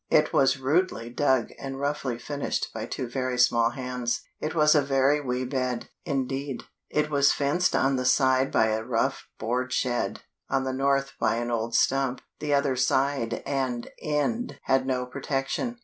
It was rudely dug and roughly finished by two very small hands. It was a very wee bed, indeed. It was fenced on the west side by a rough board shed; on the north by an old stump; the other side and end had no protection.